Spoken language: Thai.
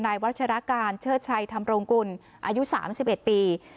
นายวัชราการเชื่อชัยธรรมรงกุลอายุสามสิบเอ็ดปี